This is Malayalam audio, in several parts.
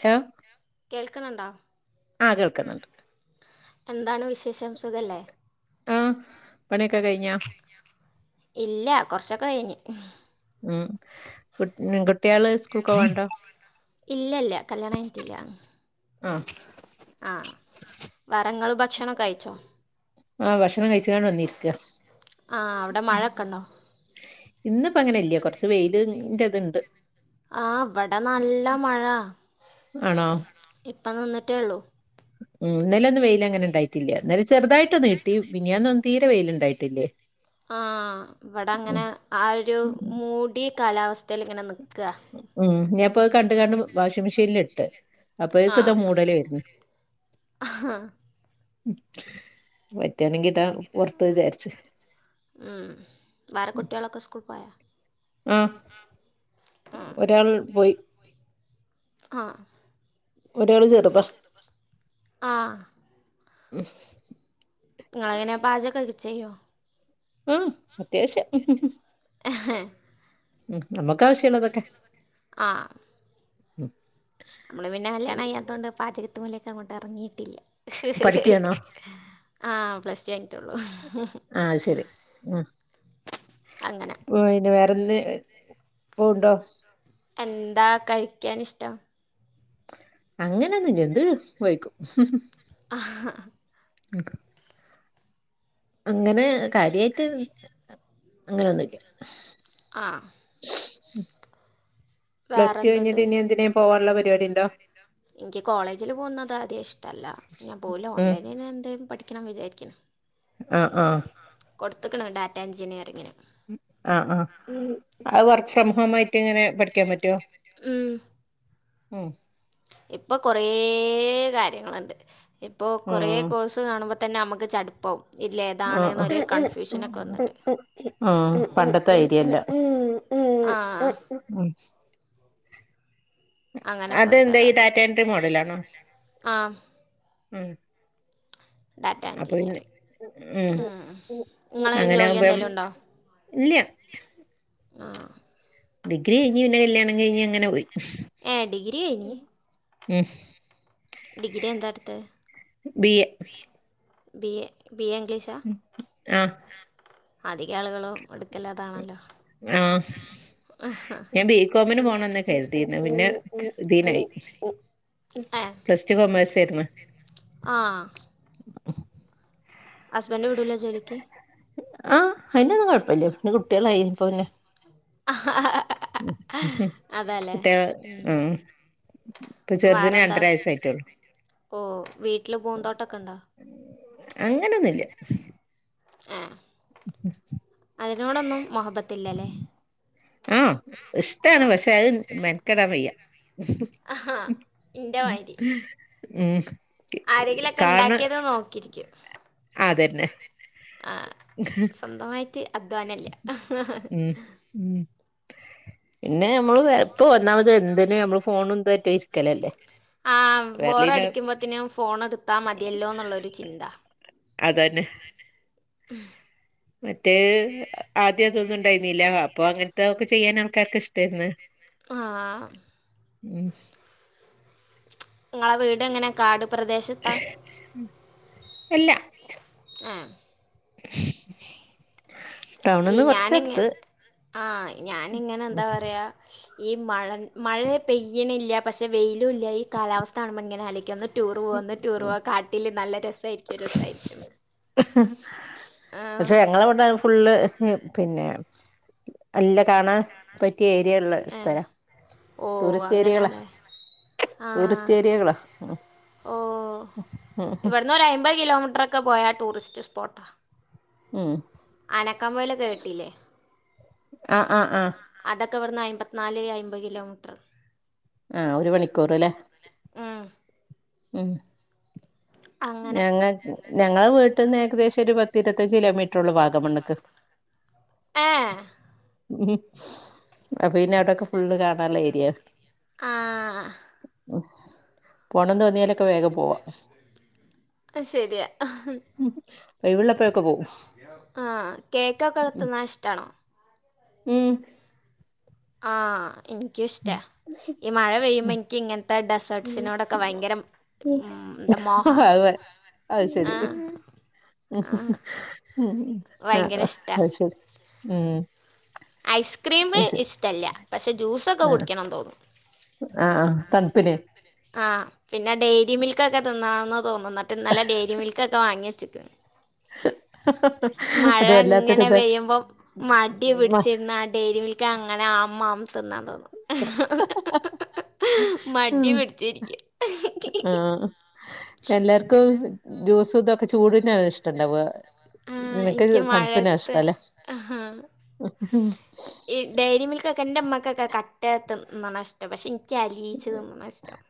ലൊ കേൾക്ക്ണണ്ടോ ആ കേൾക്ക്ന്ന്ണ്ട് എന്താണ് വിശേഷം സുഖല്ലേ? ആ പണി ഒക്കെ കഴിഞ്ഞാ? ഇല്ല കുറച്ചൊക്കെ കഴിഞ്ഞ് മ് കുട് കുട്ടിയാള് സ്കൂൾക്കൊവ്ണ്ടോ? ഇല്ല ഇല്ല കല്യാണ കയ്യിട്ടില്ല ആഹ് ആ വേറെ ങ്ങള് ഭക്ഷണൊക്കെഴിച്ചോ ആ ഭക്ഷണം കഴിച്ചകാണ്ട് വന്നിരിക്ക ആ അവിടെ മഴ ഒക്കെ ഉണ്ടോ ഇന്നിപ്പ അങ്ങനെല്ല്യ കൊർച്ച് വെയിലിന്റതണ്ട് ആ ഇവടെ നല്ല മഴ അണോ? ഇപ്പ നിന്നിട്ടേ ഒള്ളൂ മ് ഇന്നലേ ഒന്നും വെയിലങ്ങനെ ഇണ്ടായിട്ടില്ല ഇന്നലെ ചെറുതായിട്ടൊന്നിട്ടി മിനിന്യാന്നൊന്നും തീരെ വെയില്ണ്ടായിട്ടില്ല ആ ഇവടെ അങ്ങനെ ആ ഒരു മൂടി കാലാവസ്തേൽങ്ങനെ നിക്ക് മ് ഞാപ്പത് കണ്ട്കാണ്ട് വാഷിം മെഷീനൽ ഇട്ട് അപ്പൊയേക്ക് ഇതാ മൂടല് വര്ന്നു ആ പറ്റാണങ്കി താ പൊറത്ത് താചാരിച്ച് മ് വേറെ കുട്ടിയാളൊക്കെ സ്കൂൾക്ക് പോയാ ആഹ് ഉം. ഒരാൾ പോയി ആ ഒരാള് ചെറുതാ ആഹ് ഉംഹ് ഇങ്ങള് എങ്ങനെയാ പാചകൊക്കെ ചെയ്യോ ആഹ് അത്യാവശ്യം എഹെ ഉം നമുക്ക് ആവശ്യമുള്ളതൊക്കെ ആ ഉം. നമ്മള് പിന്നെ കല്യാണം കഴിയാത്തകൊണ്ട് പാചകത്തി രമലൊക്കെ അങ്ങോട്ട് ഇറങ്ങിയിട്ടില്ല ഹ് ഹ് പഠിക്കുകയാണോ ഹ് ആ പ്ലസ്ടു കഴിഞ്ഞിട്ടേയുള്ളൂ ആഹ് ശരി അങ്ങനെ ഓ ഇനി വേറന്ന് പോണ്ടോ എന്താ കഴിക്കനിഷ്ട്ടം അങ്ങനൊന്നുമില്ല എന്ത് കി കഴിക്കും ആഹ്ഹ ഉം അങ്ങനെ കാര്യായിട്ട് അങ്ങനെ ഒന്നൂല്യ ആ ഉം വേറെ പ്ലസ്ടു എന്തുണ്ട് കഴിഞ്ഞിട്ട് ഇനി എന്തിനേം പോകാനുള്ള പരിപാടി ഉണ്ടോ എനിക്ക് കോളേജിൽ പോകുന്നത് ആദ്യം ഇഷ്ടല്ല ഞാൻ പോകൂല്ല ഉം ഓൺലൈനിൽ നെ എന്തേലും പഠിക്കണംന്ന് വിചാരിക്കു ക്ക്ണു ആ ആ കൊടുത്തക്കണു ഡാറ്റാ എഞ്ചിനീയറിങ്ങിന് ആ ആ ആ വർക്ക് ഫ്രം ഹോം ആയിട്ട് ഇങ്ങനെ പഠിക്കാൻ പറ്റുവോ ഉം ഇപ്പൊ കൊറേ കാര്യങ്ങള്ണ്ട് ഇപ്പൊ കൊറേ ഉം കോഴ്സ് കാണുമ്പോ തന്നെ നമുക്ക് ചടുപ്പവും ആ അ വന്നിട്ട് ആ പണ്ടത്തെ ഐഡിയല്ല ആ അ ഉം അങ്ങനൊക്കെ ഒരു അതെന്താ കഥ ഈ ഡാറ്റ എൻട്രി മോഡൽ ആണോ ഉം ഡാറ്റാ അപ്പൊ പിന്നെ എൻട്രിന്നെയാണ് ഉം ആ അ നിങ്ങള് ജോലി എന്തേലും ഉണ്ടോ ഇല്ല്യ ആ ഡിഗ്രി കഴിഞ്ഞ് പിന്നെ കല്യാണം കഴിഞ്ഞ് അങ്ങനെ പോയി ഏ ഡിഗ്രി കഴിഞ്ഞ് ഉം ഡിഗ്രി എന്താട്ത്തെ ബി എ ബി എ ഇംഗ്ലീഷാ ആഹ് അധിക ആളുകളും എടുക്കല്ലതാണല്ലോ ആ അഹ ഞാൻ ബീക്കോമിന് പോണംന്നാ കര്തിര്ന്നെ പിന്നെ ഇതീനായി പ്ലസ് ടു കോമേഴ്‌സെര്ന്ന് ആഹ് ഉം ഹസ്ബൻഡ് വിടൂല ജോലിക്ക് ആഹ് അയിനൊന്നും കൊഴപ്പല്ല്യ പിന്നെ കുട്ട്യേളായി അപ്പ പിന്നെ അതല്ലേ കുട്ട്യേള് ഉം വേറെന്താ ചെറ്തിന് രണ്ടര വയസ്സായിട്ടോള്ളു. ഓഹ് വീട്ടില് പൂന്തോട്ടൊക്കെണ്ടോ അങ്ങനൊന്നുല്ല ആഹ് അതിനോടൊന്നും മൊഹബത്തില്ലലേ ആഹ് ഇഷ്ട്ടാണ് പക്ഷെ അത് മെനക്കെടാൻ വയ്യ ഉം ആരെങ്കിലൊക്കെ കാണ് ഇണ്ടാക്കിയത് നോക്കിരിക്കും അതന്നെ ആഹ് [inaudible] സ്വന്തമായിട്ട് അധ്വാനല്ല ഉം ഉം പിന്നെ നമ്മള് ഇപ്പ ഒന്നാമത് എന്തിനു നമ്മള് ഫോണും ഇതായിട്ടും ഇരിക്കലല്ലേ ആഹ് വേർലീന ബോറടിക്കുമ്പോത്തിനും ഫോണെട്ത്താ മതിയല്ലോന്ന്ള്ളോരു ചിന്ത അതന്നെ ഉം മറ്റേത് ആദ്യം അതൊന്നും ഇണ്ടായിരുന്നില്ല അപ്പൊ അങ്ങനത്തെ ഒക്കെ ചെയ്യാൻ ആൾക്കാര്ക്ക് ഇഷ്ടായിര്ന്ന് ആഹ് ഉം നിങ്ങളെ വീടെങ്ങനാ കാടു പ്രദേശത്താ അല്ല ഏഹ് [inaudible] ഈ ഞാന്ങ്ങനെ കൊറച്ചടുത്ത് ആഹ് ഞാനിങ്ങനെ എന്താ പറയാ ഈ മഴൻ മഴ പെയ്യ്ണില്ല പക്ഷെ വെയിലും ഇല്ല ഈ കാലാവസ്ഥ കാണുമ്പം ഇങ്ങനെ ആലോയിക്ക ഒന്ന് ടൂർ പോവാ ഒന്ന് ടൂർ പോവാ കാട്ടില് നല്ല രസായിരിക്കും രസായിരിക്കുന്ന് പക്ഷെ ഞങ്ങളെവടെ ഫുള്ള് പിന്നെ നല്ല കാണാ പറ്റിയ ഏരിയള്ള ഏ സ്ഥലാ ഓ ടൂറിസ്റ്റ് ഏരിയകളാ അങ്ങനെയല്ലേ ടൂറിസ്റ്റ് ഏരിയകളാ ഓഹ് ഇവിട്ന്നോരു അയിമ്പത് കിലോമീറ്ററൊക്കെ പോയ ടൂറിസ്റ്റ് സ്പോട്ടാ ഉം ആനക്കാ മൈലൊക്കെ കേട്ടില്ലേ ആ ആ ആ അതൊക്കെവ്ടന്ന് അയിമ്പത്ത്നാല് അയിമ്പത് കിലോമീറ്ററാ ആഹ് ഒരു മണിക്കൂറ്ലേ ഉം ഉം അങ്ങനെ ഞങ്ങ ഞങ്ങളെ വീട്ട്ന്ന് ഏകദേശം ഒരു പത്തിര്പത്തഞ്ച് കിലോമീറ്ററോള്ളൂ വാഗമണ്ക്ക് ഏഹ് അപ്പൊ പിന്നെ അവ്ടെക്കെ ഫുള്ള് കാണാള്ള ഏര്യാ ആഹ് ഉം പോണം തോന്നിയാലൊക്കെ വേഗം പോവാ അത് ശരിയാ ഉംഹ് ഒഴിവ്ള്ളപ്പഴെക്കെ പോവും ആഹ് കേക്കൊക്കെ തിന്നാന് ഇഷ്ടാണോ ഉം ആഹ് എനിക്കും ഉം ഇഷ്ടാ ഈ മഴ പെയ്യുമ്പ ഉം എനിക്ക് ഇങ്ങൻ ത്തെ ഡെസേർട്സിനോടൊക്കെ വയങ്കര ഉം ന്താ മോഹാ ആഹ് ശെരി ആ ഇഹ്ഹ് ഉം നാഇറ ഭയങ്കര അത്ശരി ഉം ഐസ്ക്രീമ് അത് ശരി ഇഷ്ട്ടെല്യ പക്ഷെ ജ്യൂസൊക്കെ കുടിക്കണം തോന്നും ആഹ് ആഹ് തൺപ്പ്ലെ ആഹ് പിന്നെ ഡെെരി മിൽകാെക്കെ തിന്നാൺന്നാ തോന്നുന്നത് മറ്റേ ഇന്നലെ ഡെെരി മിൽകെക്കെ വാങ്ങിയെച്ച്ക്ക്ണ് മഴ അത് ഇങ്ങനെ വല്ലാത്തൊരിത് പെയ്യുമ്പൊ മടി മ- പിടിച്ചിര്ന്നാ ഡെെരി മിൽക്ക് ഇക്കഅങ്ങനെ അം അം തിന്നാൻതോന്നും ഇഹ് ഇഹ് ഹ് ഹ് ഹ് ഹ് ഹ് ഹ് മടി ഉം പിടി ഇല്യ ആഹ് അ എല്ലാർക്കും ജ്യൂസും ഇതൊക്കെ ചൂട്നാ ഇഷ്ടം ഇണ്ടാവ ആ, നിനക്ക് എനിക്ക് തൺപ്പെന്നെയാ മഴയത്ത് ഇഷ്ട്ടല്ല ആ, അഹഉം ഈ ഡയരി മിൽകെക്കെ ഇന്റെമ്മാകെക്കെ കട്ടേ തിന്ന്ണഷ് പക്ഷെ ഇൻക്ക് അലിയിച്ച് തിന്ന്ണതാ ഇഷ്ട്ടം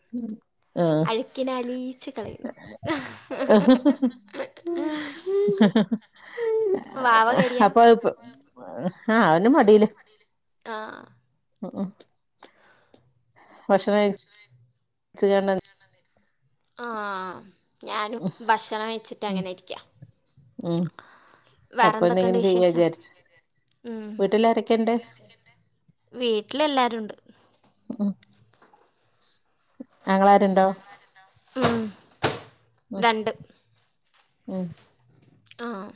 ആഹ് അഴ്ക് കിനാലീച്ച് കളയണം ഇഹ് ഇഹ് ഹ് ഹ് ഹ് ഹ ഹ ഹ വാവ കരിയ ഇഹ് അപ്പത് പ്പൊ ആഹ് അവന് മടീല ആഹ് അഹ ഭക്ഷണൈ ച്ച്കാണ്ടങ്ങ് ആഹ് ഞാനും ഭക്ഷണം ഉം കെയ്ച്ച്ട്ടങ്ങനെ ഇരിക്കാ ഉം അപ്പൊ എന്തൊക്കെയുണ്ട് എന്തെങ്കിലും ചെയ്യാ വിശേഷം വിജാരിച്ച് ഉം. വീട്ടിലാരെക്കെ ഇണ്ട് വീട്ടിലെല്ലാരുണ്ട് ആങ്ങളാര്ണ്ടോ ഉം മക് രണ്ട് ഉം ആഹ്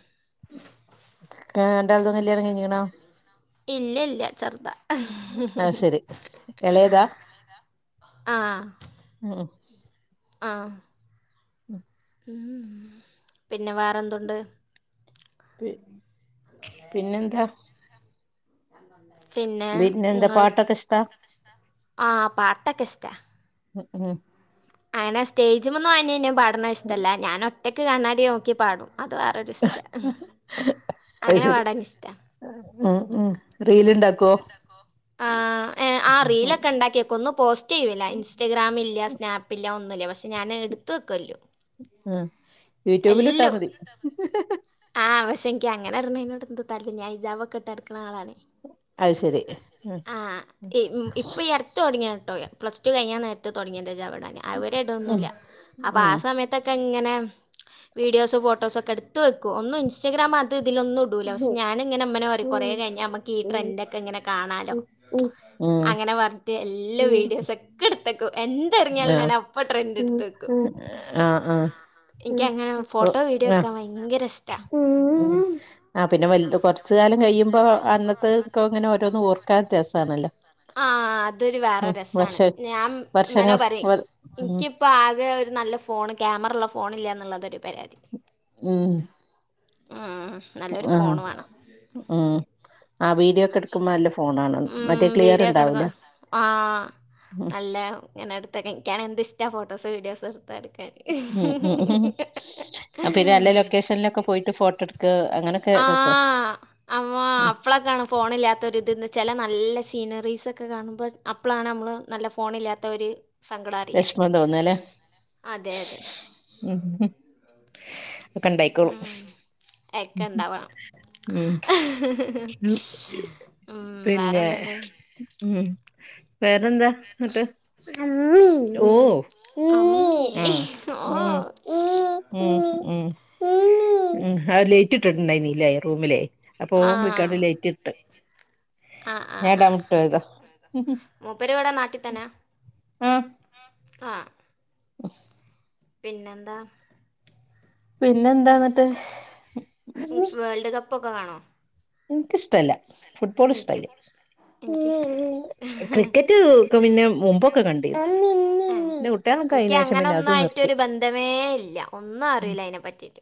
ക- രണ്ടാളതും കല്യാണം കഴിഞ്ഞിക്കണോ [inaudible] ഇല്യ ഇല്യ ചെർതാ അഹ് ഹ് ഹ് ഹ് എളേതാ ആഹ് ങ്ങാേഹ് ആഹ് ഇന്ന ഉം പിന്നെ വേറെന്തുണ്ട് പി പിന്നെന്താ പിന്നെ പിന്നെന്താ ഇങ്ങൾ പാട്ടൊക്കെ നിനക്ക് ഇഷ്ടാ പാട്ടൊക്കെ ഇഷ്ടാ ആഹ് പാട്ടെക്കെ ഇഷ്ടാ ഉം ഉം അയനെ സ്റ്റേജ്മന്ന് അയ്‌നിന്നിം പാ ട്ണത് ഇഷ്ടല്ല ഞാനൊറ്റക്ക് കണ്ണാടി ഓക്കി പാടും അത് വേറൊരു ഇസ്റ്റാ അത് അങ്ങനെ ശരി പാടാനിഷ്ടാ ഉം ഉം റീല്ണ്ടാക്കോ ആഹ് ഏഹ് ആഹ് ഉം റീലൊക്കെണ്ടാക്കിയെക്കും ഒന്നും പോസ്റ്റെയ്യൂല ഇൻസ്റ്റഗ്രാമില്ല്യ സ്നാപ്പ്ല്യ ഒന്നുല്ല്യ പക്ഷെ ഞാന് ഇട്ത്ത് വെക്കും എല്ലാം ഉം യൂട്യൂബില് ഇട്ടാമതി ആഹ് പക്ഷെ ഇൻക്ക് അങ്ങനെ ഇട്‌നെെനോട് എന്തോ താൽപര്യല്ല ഞാ ഇജാബൊക്കെഇട്ടടക്ക്ണ ആളാണേ ശരി അത് ശെരി ഉം ആഹ് ഇപ് ഉം ഇപ്പ ഈ അട് ത്ത് തൊടങ്ങിയാണ് ട്ടോ പ്ലസ് ടു കെയ്യാൻ നേരത്ത് തൊടങ്ങിയതാ ഇജാബ് ഇടാന് അത് വരെ ഉം ഇടൊന്നുല്യ അപ്പ ഉം ആഹ് സമയ ത്തെക്കെങ്ങനെ വീഡിയോസ് ഫോട്ടോസൊക്കെ ഇട്ത്ത് വെക്കും ഒന്നും ഇൻസ്റ്റഗ്രാം അത് ഇതിലൊന്നു ടൂല പക്ഷെ ഞാനിങ്ങനെ ഇമ്മനെ പറിം കൊറേ കഴിഞ്ഞാമ്മക്ക് ഈ ട്രെൻ്റൊക്കെ ഇങ്ങനെ കാണാലോ ഉം അങ്ങനെ വർതെ എല്ല വീഡിയോസൊ ക്കെ ഇട്ത്തെക്കും എന്തെറ്ങ്ങിയാലും ആഹ് ഞാനപ്പൊ ട്രെൻഡ് ഇട്ത്തെക്കും ആഹ് ആഹ് ഇൻക്കങ്ങനെ ഓഹ് ഫോട്ടോ വീഡിയോ ആഹ് ഇട്ക്കാൻ വയങ്കര ഇഷ്ടാ. ഉം ആ പിന്നെ വൽ കെർച്ച് കാലം കയ്യുമ്പോ അന്നത്തഹ് ക്കെ ഇങ്ങനെ ഓരോന്ന് ഓർക്കാൻ രസാണ് അല്ല ആഹ് അതൊരു വേറെ രസമാണ് ഞാൻ മ്മനോ വർഷങ്ങൾ പറയും വർ ഉം ഇനിക്ക് ഇപ്പ ആകെ ഒരു നല്ല ഫോണ് ക്യാമറ ള്ള ഫോണ് ഇല്ല എന്നുള്ളതൊരു പരാതി ഉം മ് നല്ലൊരു ആഹ് ഫോൺ വേണം ഉം ആ വീഡിയോ ഒക്കെ എ ഉം വീഡിയോ ഒക്കെ എടുക്ക ആഹ് ഉം നല്ല ഇങ്ങനെ എടുത്തൊ ക്കെ ക്കാണ് എന്ത്ഷ്ട ഫോട്ടോസ് വഡിയോസ് എടുത്ത് ടക്കാൻ ഉം ഉം ഉം അ പിന്നെ അല്ല ലൊക്കേഷൻലൊക്കെ പോയിട്ട് ഫോട്ടട്ക്കാ അങ്ങനൊക്കെ രസാ ഹമ്മോ അപ്പളൊക്കെയാണ് ഫോൺ ഇല്ലാത്തൊരിത് ന്ന് ചെല നല്ല സീനറീസൊക്കെ കാണുമ്പോ അപ്പളാണ് നമ്മൾ നല്ല ഫോണ് ല്ലാത്ത ഒരു സങ്കടറിയ വിഷമം തോന്നല്ലേ അതെ അതെ ഉം ഒക്കെ ഉണ്ടായിക്കോളും ഉം എ ക്കെ ഇണ്ടാവണം ഉം ഉം പിന്നെ വേറെന്ത്ണ്ട് ഉം വേറെന്താ ന്നട്ട് ഓ അമ്മി ആഹ് ഓ ഉം ഉം ഉം ഉം അഹ് ലേറ്റ് ഇട്ടിട്ടുണ്ടായിര്ന്നില്ല റൂമിലേ അപ്പോ ആ ഓൻ പോ യി കാണ്ട് ലൈറ്റ് ഇട്ട് ആ ആ ഞാ ഇടാ വുട്ടോ യതാ മൂപ്പര് ഇവിടെ ആഹ് ആഹ് പിന്നെന്താ പിന്നെ എന്താ ന്നട്ട് പ്പൊക്കെ കാണോ ഇന്ക്ക് ഇഷ്ടല്ല എനിക്കും എനിക്കും ഷ്ടല്ല ക്രിക്കറ്റ് ഒക്കെ പിന്നെ മുമ്പൊക്കെ കണ്ടി കുട്ടികളൊക്കെ ആയിനേഷം പിന്നെ അത് നിർ മറ്റൊരു ബന്ധമേ ഇല്ല ഒന്നും അറിയില്ല അയിനെ പറ്റിയിട്ട്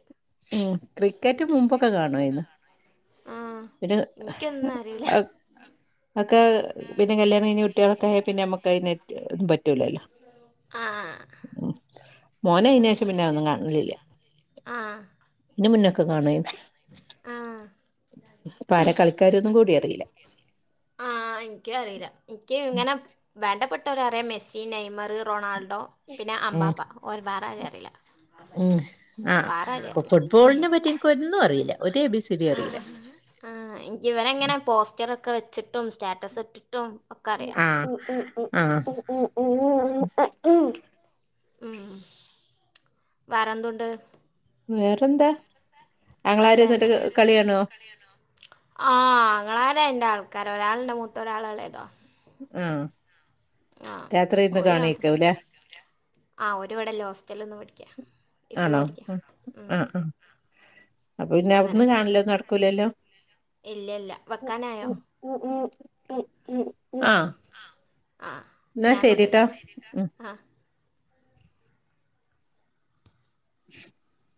ഉം ക്രിക്കറ്റ് മുമ്പൊക്കെ കാണോയിന്ന് ആഹ് ഇന്ക്കന്നും അറിയൂല്ല ഒക്കെ പിന്നെ കല്യാണം കഴിഞ്ഞ കുട്ടികളൊക്കെ ആയ പിന്നെ നമ്മക്ക് അയിന് പറ്റൂലല്ലോ ആഹ് ഉം മോന് അയ്നേഷം പിന്നെ അഒന്നും കാണലില്ല ന്റെ മുന്നൊക്കെ കാണേയ്ന്നു ആഹ് പ്പാ ആരാകളിക്കാര് ന്നും കൂടി അറീല ആ ഇൻക്ക് അറീല്ല ഇൻക്ക് ഇങ്ങനെ വേണ്ടപ്പെട്ടവരറിയാ മെസ്സി നെയ്മർ റൊണാൾഡോ പിന്നെ ഉം അമ്പാപ്പ ഒര് വേറെ ആരീം അറീല്ല ഉം വേറെ ആരീം അറി ക്കൊന്നും അറീല്ല ഒര് എ ബി സി ഡി അറീല്ല ആഹ് ഇൻക്ക് ഇവനങ്ങനെ പോസ്റ്ററൊക്കെ വെച്ചിട്ടും സ്റ്റാറ്റസ് ഇട്ടിട്ടും ഒക്കെ അറിയാം ആഹ് ആഹ് ഉം വേറെന്തുണ്ട് വേറെന്താ ആങ്ങളാര് എന്നിട്ട് നല്ലതന്നെ കളിയാണോ ആഹ് ആങ്ങളാരെന്റെ ആൾക്കാര ഒരാളിന്റെ മൂത്ത ഒരാളെളേതുവാ ഉം ആഹ് രാത്രി ഇന്ന് ഓര് കാണും കാണിയാരിക്കുവല്ലേ ആഹ് ഓര് ഈടല്ല ഹോസ്റ്റലിൽ നിന്ന് പേടിക്കാ ഈഫിള്ള് ആണോ പഠിക്കാ ഉം ഉം. ആഹ് ആഹ് അപ്പൊ പിന്നെ അങ്ങനെ അവിടുന്ന് കാണലോ നടക്കൂല്ലല്ലോ ഇല്ല ഇല്ല വെക്കാനായോ ഉം ഉം ഉ ഉ ഉ ഉ ആഹ് ആഹ് എന്നാ ഞാൻ അങ്ങോട്ട് ശരിട്ടോ എന്നാ ശേരിട്ടാ ആഹ് [inaudible]